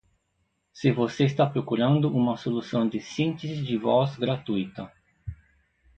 Se você está procurando uma solução de síntese de voz gratuita